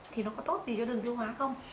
thì nó có tốt gì cho đường tiêu hóa không